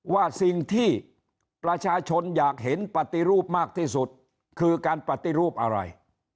ว่าสิ่งที่ประชาชนอยากเห็นปฏิรูปมากที่สุดคือการปฏิรูปอะไร